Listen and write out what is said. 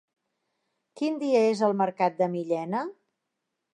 Quin dia és el mercat de Millena?